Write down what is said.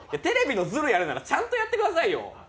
テレビのずるやるならちゃんとやってくださいよ。